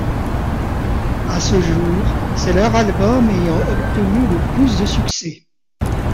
À ce jour, c'est leur album ayant obtenu le plus de succès.